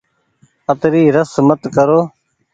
اتري رس مت ڪرو۔